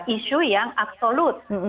isu yang absolut